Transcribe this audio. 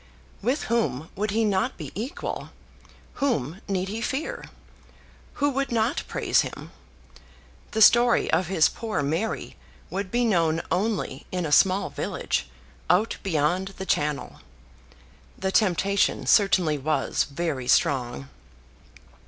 With whom would he not be equal? Whom need he fear? Who would not praise him? The story of his poor Mary would be known only in a small village, out beyond the Channel. The temptation certainly was very strong.